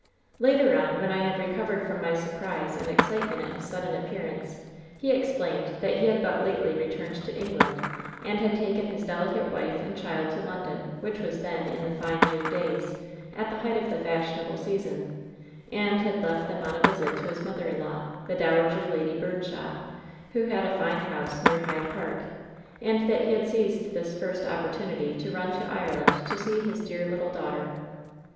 "Later on, when I had recovered from my surprise and excitement at his sudden appearance, he explained that he had but lately returned to England and had tkken his delicate wife and child to London, which was then, in the fine June days, at the height of the fash ionable season, and had left them on a visit to his mother in law, the Dowager Lady Bumshot, who had a fine house near Hyde Park ; and that he had seized this first opportunity to run to Ireland to see his dear little daughter.